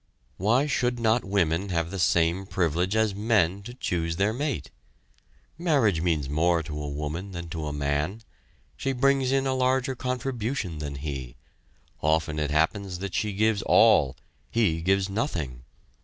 Why should not women have the same privilege as men to choose their mate? Marriage means more to a woman than to a man; she brings in a larger contribution than he; often it happens that she gives all he gives nothing.